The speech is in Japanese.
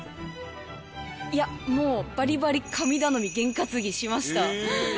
いや、もうばりばり神頼み、験担ぎしました。